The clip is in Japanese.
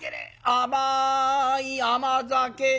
甘い甘酒！」。